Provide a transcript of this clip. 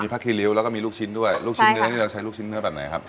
ผักคีริ้วแล้วก็มีลูกชิ้นด้วยลูกชิ้นเนื้อนี่เราใช้ลูกชิ้นเนื้อแบบไหนครับ